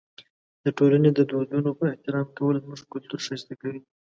د ټولنې د دودونو احترام کول زموږ کلتور ښایسته کوي.